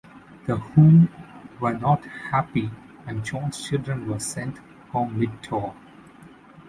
The Who were not happy and John's Children were sent home mid-tour.